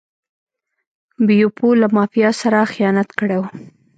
بیپو له مافیا سره خیانت کړی و.